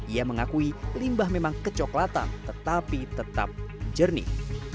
ia mengakui limbah memang kecoklatan tetapi tetap jernih